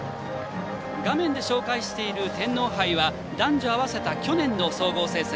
画面で紹介している天皇杯は男女合わせた去年の総合成績。